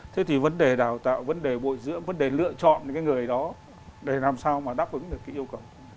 thế thì vấn đề đào tạo vấn đề bội dưỡng vấn đề lựa chọn những cái người đó để làm sao mà đáp ứng được cái yêu cầu